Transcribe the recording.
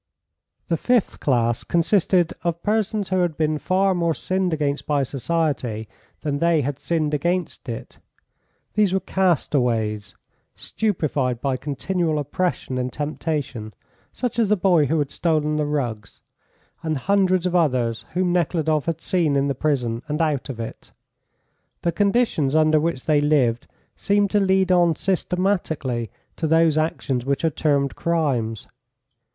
The fifth class consisted of persons who had been far more sinned against by society than they had sinned against it. These were castaways, stupefied by continual oppression and temptation, such as the boy who had stolen the rugs, and hundreds of others whom Nekhludoff had seen in the prison and out of it. The conditions under which they lived seemed to lead on systematically to those actions which are termed crimes.